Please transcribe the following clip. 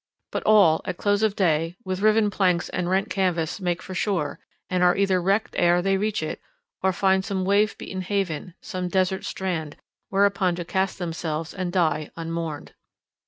But all at close of day, with riven planks and rent canvas make for shore, and are either wrecked ere they reach it, or find some wave beaten haven, some desart strand, whereon to cast themselves and die unmourned.